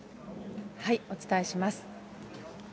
お伝えします。